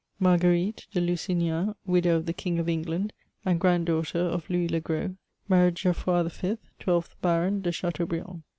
Marguerite de Lusignan, widow of the King of England and grand daughter of Louis le Gros, married Geoffroy V., twelfth Baron de Chateaubriand.